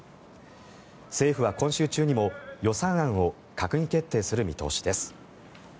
政府は今週中にも予算案を閣議決定する見通しです。